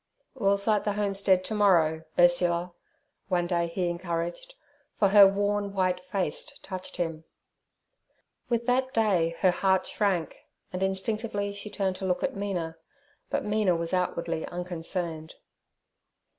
'We'll sight the homestead to morrow, Ursula' one day he encouraged, for her worn, white face touched him. With that day her heart shrank, and instinctively she turned to look at Mina, but Mina was outwardly unconcerned.